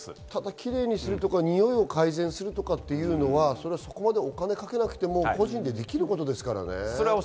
キレイにするとか臭いを改善するのはそこまでお金をかけなくても個人でできることですからね。